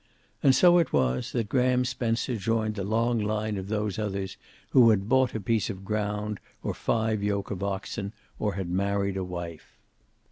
And so it was that Graham Spencer joined the long line of those others who had bought a piece of ground, or five yoke of oxen, or had married a wife.